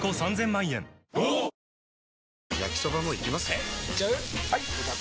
えいっちゃう？